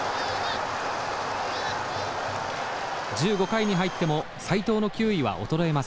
１５回に入っても斎藤の球威は衰えません。